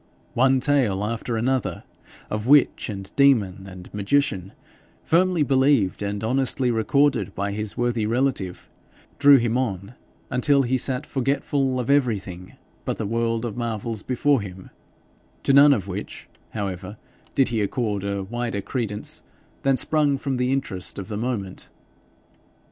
One tale after another, of witch, and demon, and magician, firmly believed and honestly recorded by his worthy relative, drew him on, until he sat forgetful of everything but the world of marvels before him to none of which, however, did he accord a wider credence than sprung from the interest of the moment.